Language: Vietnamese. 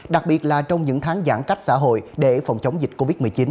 đặc biệt là trong những tháng giãn cách xã hội để phòng chống dịch covid một mươi chín